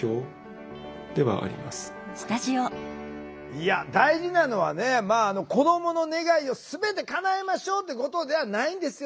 いや大事なのは子どもの願いを全てかなえましょうってことではないんですよ。